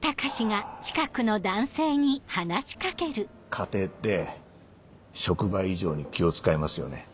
家庭って職場以上に気を使いますよね。